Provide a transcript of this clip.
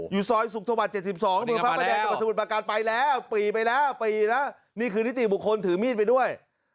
อยู่ซ้อยสุขธวรรษ๗๒ปีแล้วนี่คือนิติบุคคลถือมีดไปด้วย